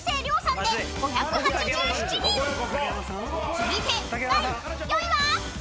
［続いて第４位は］